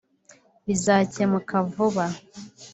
bizakemuka vuba